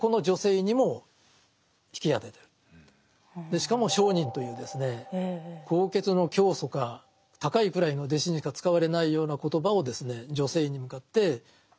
しかも「聖人」という高潔の教祖か高い位の弟子にしか使われないような言葉を女性に向かって使ってる。